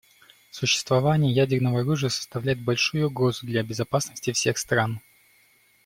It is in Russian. Существование ядерного оружия составляет большую угрозу для безопасности всех стран.